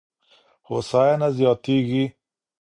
هوساينه زياتېږي.